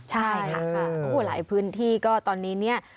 ใช่ค่ะโอ้โหหลายพื้นที่ก็ตอนนี้เนี่ย